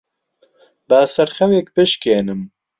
با سەرخەوێک بشکێنم.